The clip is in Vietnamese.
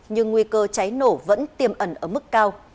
nhưng nguy cơ cháy nổ vẫn không được đề cập